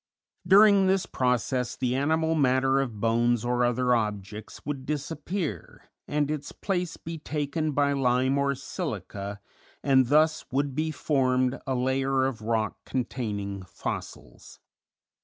During this process the animal matter of bones or other objects would disappear and its place be taken by lime or silica, and thus would be formed a layer of rock containing fossils.